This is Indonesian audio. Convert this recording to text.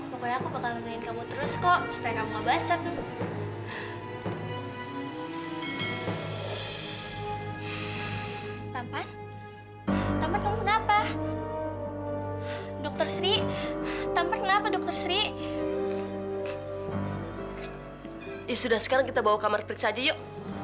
pokoknya aku bakalan ngeriain kamu terus kok